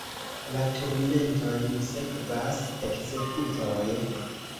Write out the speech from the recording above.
La turmentojn sekvas ekzekutoj.